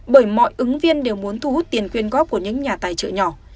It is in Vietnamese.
bởi mọi ứng viên đều muốn thu hút tiền quyên góp của những nhà tài trợ nhỏ